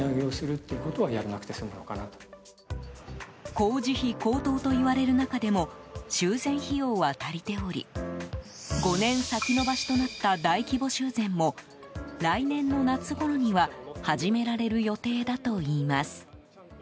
工事費高騰といわれる中でも修繕費用は足りており５年先延ばしとなった大規模修繕も来年の夏ごろには始められる予定だといいます。